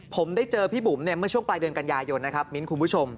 ผมได้เจอพี่บุ๋มเมื่อช่วงปลายเดือนกันยายนนะครับมิ้นคุณผู้ชม